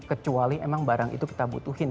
kecuali emang barang itu kita butuhin